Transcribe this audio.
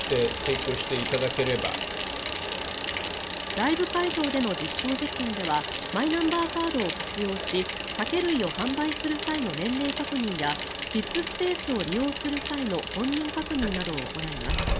ライブ会場での実証実験ではマイナンバーカードを活用し酒類を販売する際の年齢確認やキッズスペースを利用する際の本人確認などを行います。